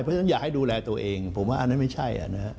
เพราะฉะนั้นอย่าให้ดูแลตัวเองผมว่าไม่ใช่